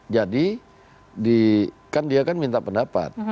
jadi kan dia kan minta pendapat